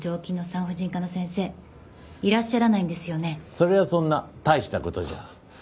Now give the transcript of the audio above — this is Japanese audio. それはそんな大した事じゃ。